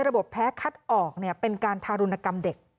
ระบบแพ้คัดออกเนี่ยเป็นการทารุณกรรมเด็ก